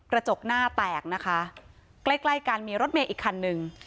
กระจกหน้าแตกนะคะใกล้ใกล้กันมีรถเมย์อีกคันหนึ่ง